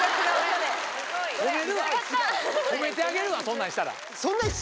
褒めるわ褒めてあげるわそんなんしたら。